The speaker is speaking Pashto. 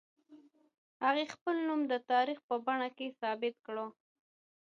هغې خپل نوم د تاریخ په پاڼو کې ثبت کړ